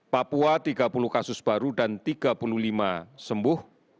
papua tiga puluh kasus baru dan tiga puluh lima sembuh